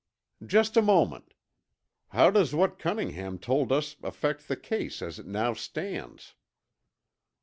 "Just a moment. How does what Cunningham told us affect the case as it now stands?"